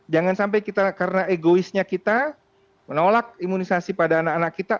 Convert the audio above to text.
jangan sampai kita karena egoisnya kita menolak imunisasi pada anak anak kita